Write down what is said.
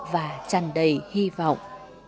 và chẳng đầy hy vọng